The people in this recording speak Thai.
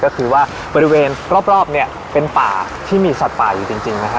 ก็คือว่าบริเวณรอบเนี่ยเป็นป่าที่มีสัตว์ป่าอยู่จริงนะฮะ